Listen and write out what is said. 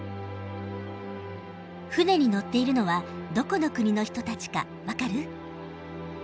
船に乗っているのはどこの国の人たちか分かる？